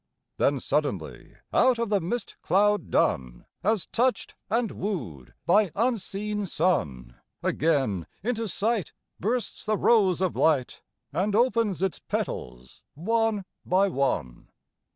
Then suddenly out of the mist cloud dun, As touched and wooed by unseen sun, Again into sight bursts the rose of light And opens its petals one by one.